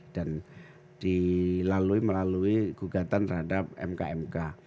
dan dilalui melalui gugatan terhadap mk mk